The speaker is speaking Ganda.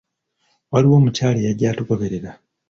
Waliwo omukyala eyajja atugoberera.